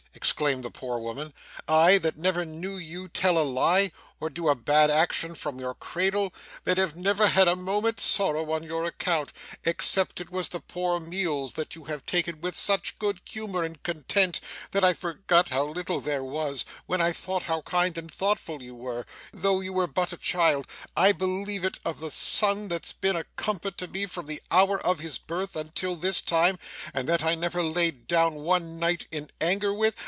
exclaimed the poor woman, 'I that never knew you tell a lie, or do a bad action from your cradle that have never had a moment's sorrow on your account, except it was the poor meals that you have taken with such good humour and content, that I forgot how little there was, when I thought how kind and thoughtful you were, though you were but a child! I believe it of the son that's been a comfort to me from the hour of his birth until this time, and that I never laid down one night in anger with!